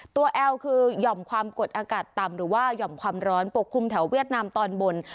แอลคือหย่อมความกดอากาศต่ำหรือว่าหย่อมความร้อนปกคลุมแถวเวียดนามตอนบน